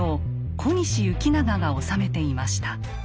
小西行長が治めていました。